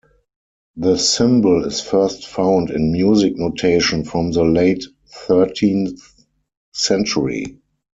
The symbol is first found in music notation from the late thirteenth century.